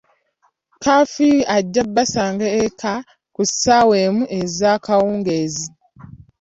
Kafiyu ajja basanga eka ku ssaawa emu eyakawungeezi.